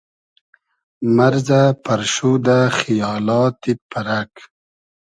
مئرزۂ پئرشودۂ خیالا تید پئرئگ